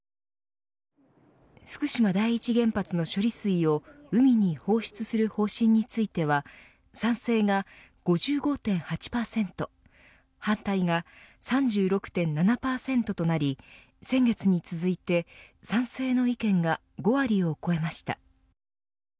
福島第一原発の処理水を海に放出する方針については賛成が５５．８％反対が３６．７％となり先月に続いて賛成の意見が５割を超えました。